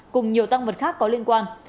cùng nhiều tăng vật khác có liên quan